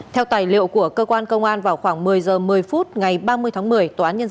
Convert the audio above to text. theo tài liệu của cơ quan công an vào khoảng một mươi h một mươi phút ngày ba mươi tháng một mươi